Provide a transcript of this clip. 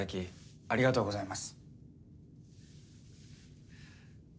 ありがとうございます。